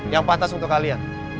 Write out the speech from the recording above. yang pantas untuk kalian